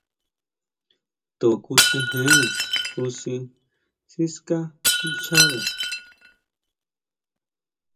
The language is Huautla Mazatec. To kutsejene júsʼi siská nchabe.